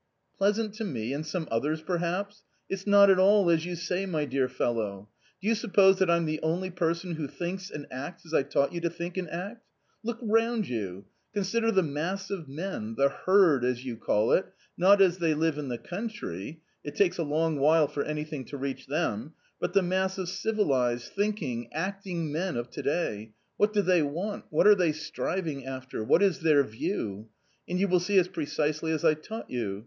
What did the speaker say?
" Pleasant to me and some others, perhaps." .... it's not at all as you say, my dear fellow ! do you suppose that I'm the only person who thinks and acts as I taught you to think and act ? Look round you ; consider the mass of men, the herd as you call it, not as they live in the country — it takes a long while for anything to reach them — but the mass of civilised, thinking, acting men of to day ; what do they want, what are they striving after, what is their view ? and you will see it's precisely as I taught you.